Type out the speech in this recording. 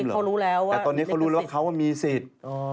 แต่ตอนนี้เขารู้แล้วว่าเขามีสิทธิ์